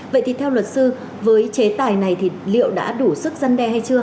vậy thì theo luật sư với chế tài này thì liệu đã đủ sức dân đe hay chưa